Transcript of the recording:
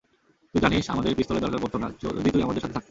তুই জানিস, আমাদের পিস্তলের দরকার পড়তো না, যদি তুই আমাদের সাথে থাকতি?